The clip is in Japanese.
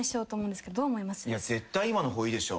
絶対今の方がいいでしょ。